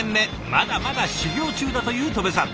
まだまだ修業中だという戸部さん。